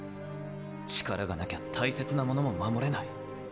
力がなきゃ大切なものも守れない。